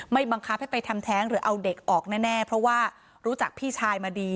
บังคับให้ไปทำแท้งหรือเอาเด็กออกแน่เพราะว่ารู้จักพี่ชายมาดี